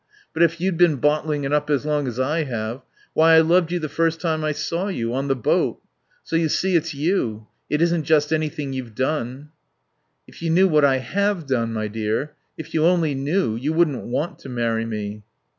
But if you'd been bottling it up as long as I have Why, I loved you the first time I saw you. On the boat.... So you see, it's you. It isn't just anything you've done." "If you knew what I have done, my dear. If you only knew. You wouldn't want to marry me."